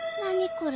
これ。